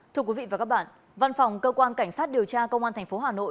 thưa quý vị và các bạn văn phòng cơ quan cảnh sát điều tra công an tp hà nội